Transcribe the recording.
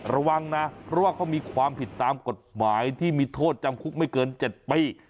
ระวังนะเพราะว่าเขามีความผิดตามกฎหมายที่มีโทษจำคุกไม่เกิน๗ปี